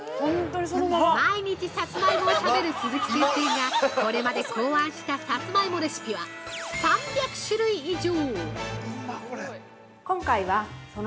◆毎日さつまいもを食べる鈴木先生がこれまで考案したさつまいもレシピは３００種類以上！